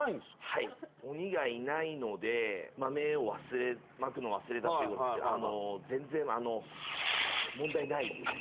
はい鬼がいないので豆をまくの忘れたということですけど全然問題ないです。